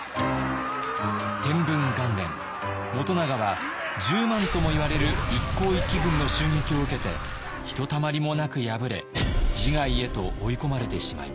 元長は１０万ともいわれる一向一揆軍の襲撃を受けてひとたまりもなく敗れ自害へと追い込まれてしまいました。